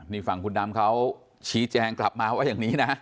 นี่ฝั่งคุณดำเขาชี้แจงกลับมาว่าอย่างนี้นะ